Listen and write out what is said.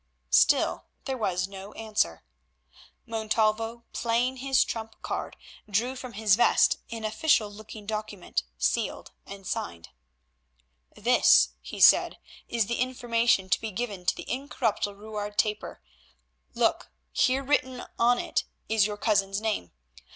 Still there was no answer. Montalvo, playing his trump card, drew from his vest an official looking document, sealed and signed. "This," he said, "is the information to be given to the incorruptible Ruard Trapper. Look, here written on it is your cousin's name.